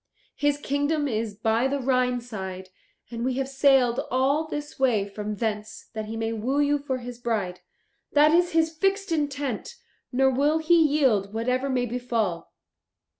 His kingdom is by the Rhine side, and we have sailed all this way from thence that he may woo you for his bride. That is his fixed intent, nor will he yield whatever may befall.